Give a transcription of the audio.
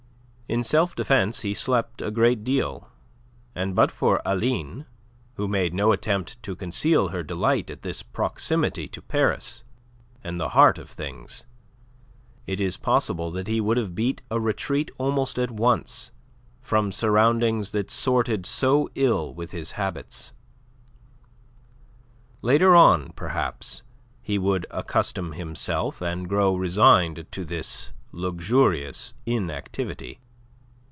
In self defence he slept a great deal, and but for Aline, who made no attempt to conceal her delight at this proximity to Paris and the heart of things, it is possible that he would have beat a retreat almost at once from surroundings that sorted so ill with his habits. Later on, perhaps, he would accustom himself and grow resigned to this luxurious inactivity.